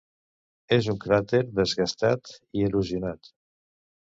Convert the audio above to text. És un cràter desgastat i erosionat.